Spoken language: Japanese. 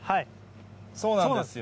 そうなんですよ。